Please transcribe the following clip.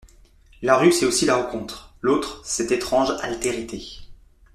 La rue, c’est aussi la rencontre, l’autre, cette étrange altérité.